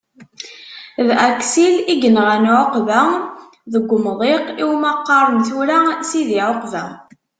D Aksil i yenɣan Ɛuqba deg umḍiq iwmi qqaren tura Sidi-Ɛuqba.